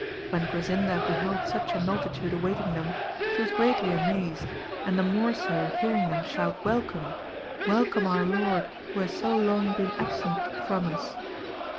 When Grasinda beheld such a multitude awaiting them, she was greatly amazed, and the more so hearing them shout welcome ! Welcome our lord, who has so long been absent from us